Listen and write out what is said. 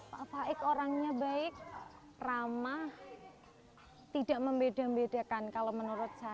pak faik orangnya baik ramah tidak membeda bedakan kalau menurut saya